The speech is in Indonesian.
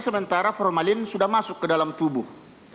karena formalin sudah masuk ke dalam tubuh